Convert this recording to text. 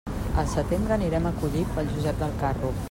Al setembre anirem a collir pel Josep de Carro.